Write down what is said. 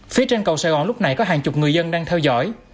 phía trên cầu sài gòn lúc này có hàng chục người dân đang theo dõi